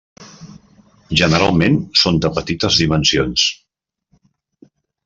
Generalment són de petites dimensions.